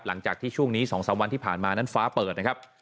หลังจากที่ช่วงนี้๒๓วันที่ผ่านมานั้นฟ้าเปิดนะครับ